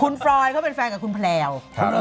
คุณฟรอยเขาเป็นแฟนกับคุณแพลว